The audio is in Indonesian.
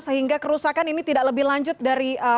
sehingga kerusakan ini tidak lebih lanjut dari